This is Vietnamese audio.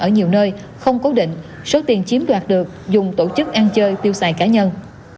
ở nhiều nơi không cố định số tiền chiếm đoạt được dùng tổ chức ăn chơi tiêu xài cá nhân